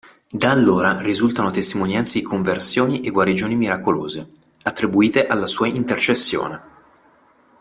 Da allora risultano testimonianze di conversioni e guarigioni miracolose, attribuite alla sua intercessione.